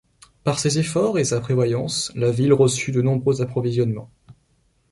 Par ses efforts et sa prévoyance, la ville reçut de nombreux approvisionnements.